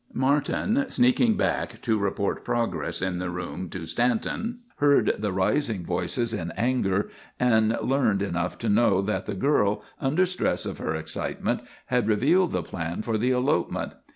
Martin, sneaking back to report progress in the room to Stanton, heard the rising voices in anger, and learned enough to know that the girl, under stress of her excitement, had revealed the plan for the elopement.